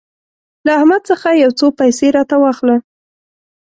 له احمد څخه يو څو پيسې راته واخله.